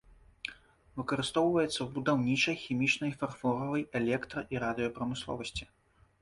Выкарыстоўваецца ў будаўнічай, хімічнай, фарфоравай, электра- і радыёпрамысловасці.